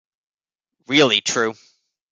Really true.